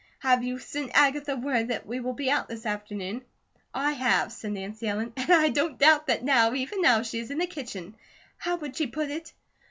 Have you send Agatha word that we will be out this afternoon?" "I have," said Nancy Ellen. "And I don't doubt that now, even now, she is in the kitchen how would she put it?"